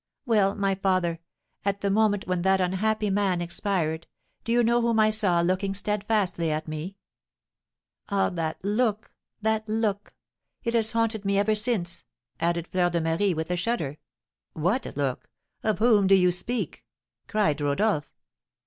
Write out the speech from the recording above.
"Well, my father, at the moment when that unhappy man expired, do you know whom I saw looking steadfastly at me? Ah, that look that look! it has haunted me ever since!" added Fleur de Marie, with a shudder. "What look? Of whom do you speak?" cried Rodolph.